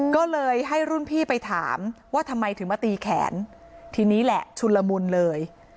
ก็เลยให้รุ่นพี่ไปถามว่าทำไมถึงมาตีแขนทีนี้แหละชุนละมุนเลย